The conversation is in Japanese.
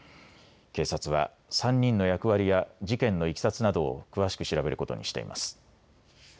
警察は３人の役割や事件のいきさつなどを詳しく調べることにしています。